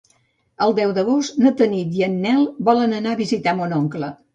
El deu d'agost na Tanit i en Nel volen anar a visitar mon oncle.